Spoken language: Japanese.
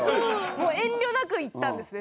もう遠慮なく行ったんですね